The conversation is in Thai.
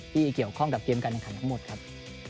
ที่เกี่ยวข้องกับเกมการแข่งขันทั้งหมดครับ